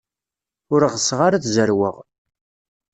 Ur ɣseɣ ara ad zerweɣ.